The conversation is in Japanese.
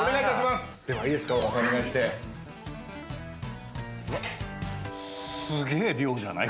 すげえ量じゃない？